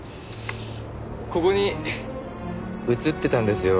ここに写ってたんですよ。